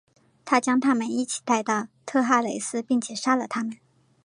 他将他们一起带到特哈雷斯并且杀了他们。